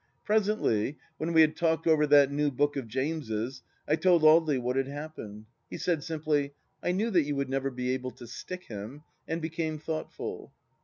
... Presently, when we had talked over that new book of James's, I told Audely what had happened. He said simply :" I knew that you would never be able to stick him," and became thoughtful.